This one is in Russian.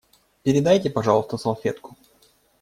Передайте, пожалуйста, салфетку.